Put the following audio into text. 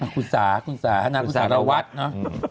คุณสาคุณสารวัตรนะ